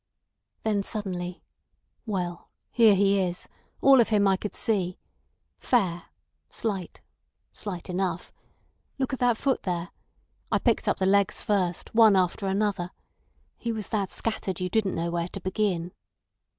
Then suddenly: "Well, here he is—all of him I could see. Fair. Slight—slight enough. Look at that foot there. I picked up the legs first, one after another. He was that scattered you didn't know where to begin."